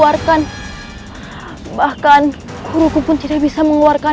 aku akan melakukan sesuatu